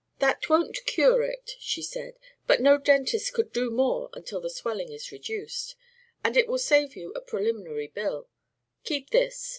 "That won't cure it," she said, "but no dentist could do more until the swelling is reduced. And it will save you a preliminary bill. Keep this.